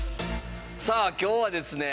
さあ今日はですね